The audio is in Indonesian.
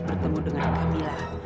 pertemu dengan kamila